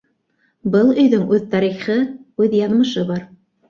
Был өйҙөң үҙ тарихы, үҙ яҙмышы бар.